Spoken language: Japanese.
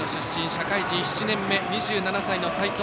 社会人７年目２７歳の斉藤。